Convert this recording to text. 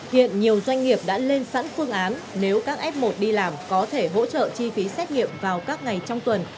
hiện nhiều doanh nghiệp đã lên sẵn phương án nếu các f một đi làm có thể hỗ trợ chi phí xét nghiệm vào các ngày trong tuần